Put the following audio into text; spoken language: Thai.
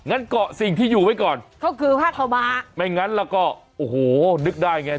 งั้นเกาะสิ่งที่อยู่ไว้ก่อนก็คือผ้าขาวม้าไม่งั้นแล้วก็โอ้โหนึกได้ไง